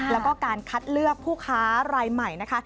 แล้วก็การคัดเลือกผู้ค้ารายใหม่นะคะ